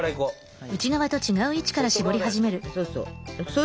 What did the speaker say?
そうそう。